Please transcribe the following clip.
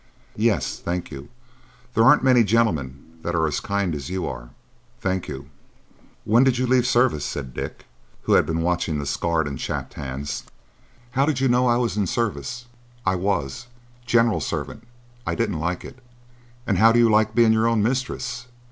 "Yes. Thank you. There aren't many gentlemen that are as kind as you are. Thank you." "When did you leave service?" said Dick, who had been watching the scarred and chapped hands. "How did you know I was in service? I was. General servant. I didn't like it." "And how do you like being your own mistress?"